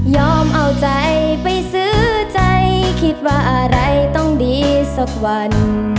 เอาใจไปซื้อใจคิดว่าอะไรต้องดีสักวัน